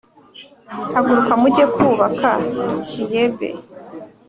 haguruka mujye kwubaka Kiyebe.